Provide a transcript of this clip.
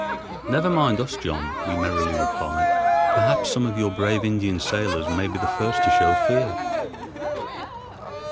"Never mind us, John," we merrily replied, "perhaps some of you brave Indian sailors may be the first to show fear."